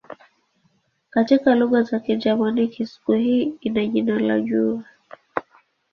Katika lugha za Kigermanik siku hii ina jina la "jua".